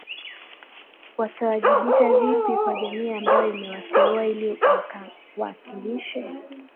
watawajibika vipi kwa jamii ambayo imewateua ili wakawakilishe